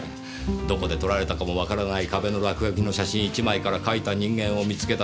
どこで撮られたかもわからない壁の落書きの写真１枚から描いた人間を見つけ出す。